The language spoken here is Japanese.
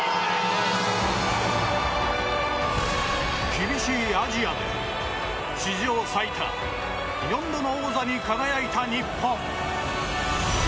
厳しいアジアで史上最多４度の王座に輝いた日本。